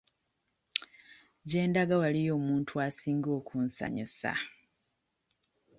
Gye ndaga waliyo omuntu asinga okunsanyusa.